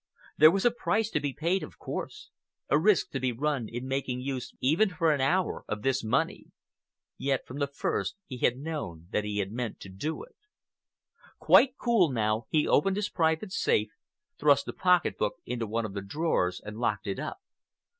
There was a price to be paid, of course, a risk to be run in making use even for an hour of this money. Yet from the first he had known that he meant to do it. Quite cool now, he opened his private safe, thrust the pocket book into one of the drawers, and locked it up.